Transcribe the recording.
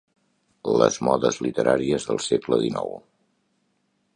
Les modes literàries del segle dinou.